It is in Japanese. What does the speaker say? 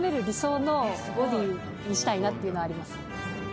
にしたいなっていうのはあります。